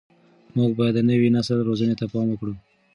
موږ باید د نوي نسل روزنې ته پام وکړو.